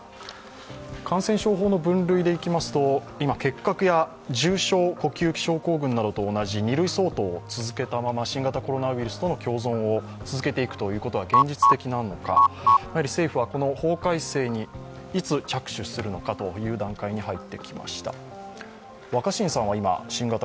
感染症法の分類でいきますと今結核や重症呼吸器症候群などと同じ２類相当を続けたまま、新型コロナウイルスとの共存を続けていくということは現実的なのか、政府はこの法改正にいつ着手するのかという段階に入ってきました。